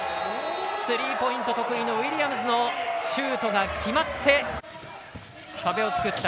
スリーポイント得意のウィリアムズのシュートが決まった。